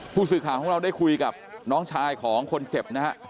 ผู้สื่อข่าวของเราได้คุยกับน้องชายของคนเจ็บนะฮะ